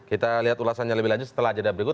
kita lihat ulasannya lebih lanjut setelah jeda berikut